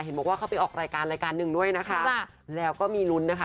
บอกว่าเขาไปออกรายการรายการหนึ่งด้วยนะคะแล้วก็มีลุ้นนะคะ